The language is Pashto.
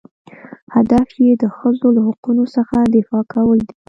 هدف یې د ښځو له حقوقو څخه دفاع کول دي.